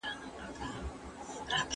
دا مکتب له هغه ښه دی!؟